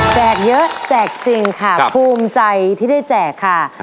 เยอะแจกจริงค่ะภูมิใจที่ได้แจกค่ะ